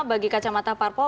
bagi kacamata parpo